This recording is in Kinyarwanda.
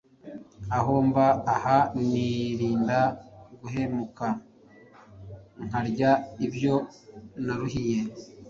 Aho mba aha nirinda guhemuka nkarya ibyo naruhiye.